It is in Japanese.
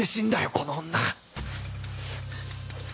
この女！